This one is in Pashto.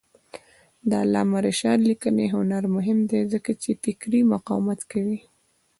د علامه رشاد لیکنی هنر مهم دی ځکه چې فکري مقاومت کوي.